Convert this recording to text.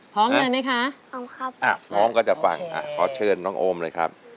พร้อมเลยไหมคะพร้อมครับอ่ะพร้อมก็จะฟังอ่ะขอเชิญน้องโอมเลยครับ